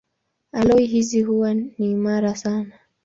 Aloi hizi huwa ni imara sana.